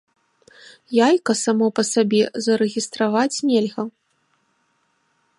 Яйка само па сабе зарэгістраваць нельга.